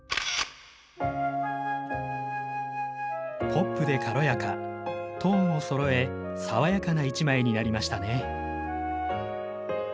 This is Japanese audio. ポップで軽やかトーンをそろえ爽やかな一枚になりましたね。